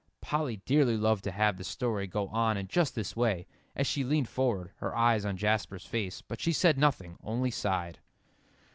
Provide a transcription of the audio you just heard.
Polly dearly loved to have the story go on in just this way, as she leaned forward, her eyes on Jasper's face, but she said nothing, only sighed.